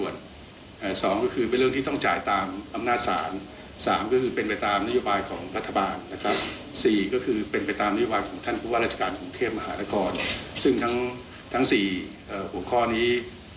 ซึ่งทั้ง๔หัวข้อนี้